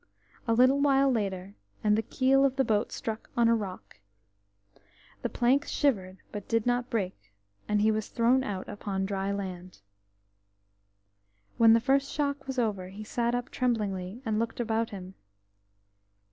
A little while later, and the keel of the boat struck on a rock. The planks shivered, but did not break, and he was thrown out upon dry land. When the first shock was over he sat up tremblingly, and looked about him.